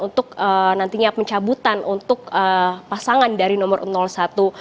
untuk nantinya pencabutan untuk pasangan dari nomor urut satu